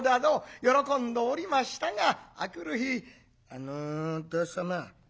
喜んでおりましたが明くる日「あの旦様。